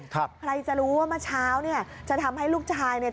ใครจะรู้ว่าเมื่อเช้าเนี่ยจะทำให้ลูกชายเนี่ย